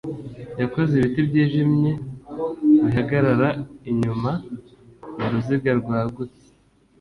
Yakoze ibiti byijimye bihagarara inyuma muruziga rwagutse